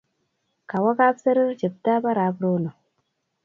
Kawo Kapserer cheptap arap Rono